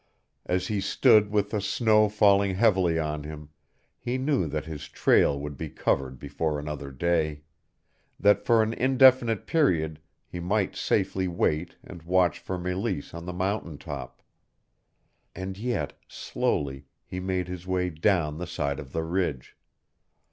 As he stood with the snow falling heavily on him he knew that his trail would be covered before another day that for an indefinite period he might safely wait and watch for Meleese on the mountain top. And yet, slowly, he made his way down the side of the ridge.